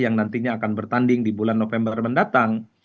yang nantinya akan bertanding di bulan november mendatang